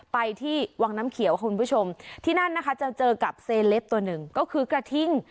ไปที่วังน้ำเขียวคุณผู้ชมที่นั่นนะคะจะเจอกับเซเลปตัวหนึ่งก็คือกระทิ่ง